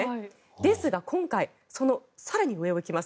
ですが今回、その更に上を行きます。